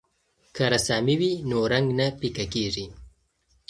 که رسامي وي نو رنګ نه پیکه کیږي.